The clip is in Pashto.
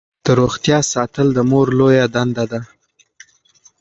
د روغتیا ساتل د مور لویه دنده ده.